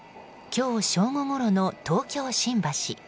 今日正午ごろの東京・新橋。